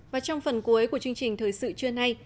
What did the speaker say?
và trong phần cuối của chương trình thời sự trưa nay